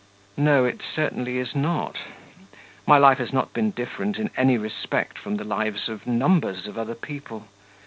No, it certainly is not.... My life has not been different in any respect from the lives of numbers of other people.